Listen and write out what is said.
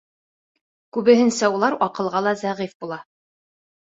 Күбеһенсә улар аҡылға ла зәғиф була.